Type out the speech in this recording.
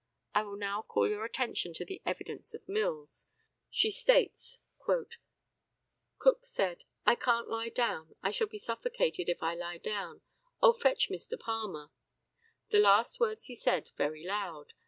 I will now call your attention to the evidence of Mills. She states: "Cook said, 'I can't lie down; I shall be suffocated if I lie down. Oh, fetch Mr. Palmer!' The last words he said very loud.